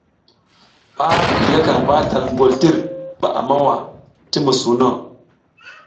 A zligakaƞ batal ngoltir ɓa a mawa ti musuwuno.